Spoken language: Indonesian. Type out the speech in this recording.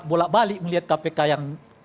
bolak balik melihat kpk yang